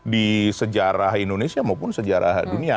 di sejarah indonesia maupun sejarah dunia